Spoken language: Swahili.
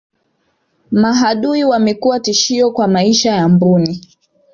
maadui wamekuwa tishio kwa maisha ya mbuni